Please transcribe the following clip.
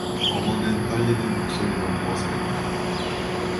어머는 떨리는 목소리로 무엇을 했다.